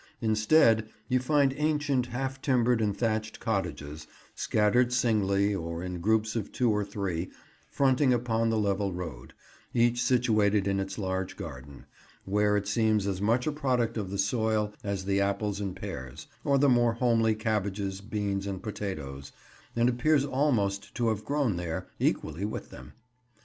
Instead, you find ancient half timbered and thatched cottages, scattered singly, or in groups of two or three, fronting upon the level road, each situated in its large garden, where it seems as much a product of the soil as the apples and pears, or the more homely cabbages, beans, and potatoes, and appears almost to have grown there, equally with them.